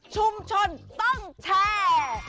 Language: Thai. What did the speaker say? ชุมชนต้องแชร์